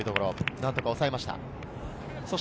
何とか抑えました。